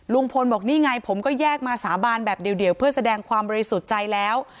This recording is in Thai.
ลุงพลบอกนี่ไงผมก็แยกมาสาบานแบบเดียวเพื่อแสดงความบริสุทธิ์ใจแล้ว